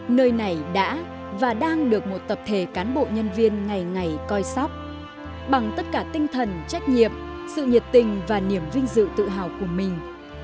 nơi này đã và đang được một tập thể cán bộ nhân viên ngày ngày coi sóc bằng tất cả tinh thần trách nhiệm sự nhiệt tình và niềm vinh dự tự hào của mình